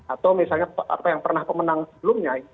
atau misalnya apa yang pernah pemenang sebelumnya